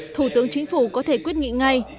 thủ tướng chính phủ có thể quyết nghị ngay